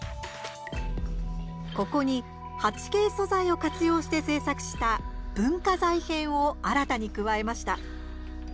ここに８Ｋ素材を活用して制作した文化財編を新たに加えました。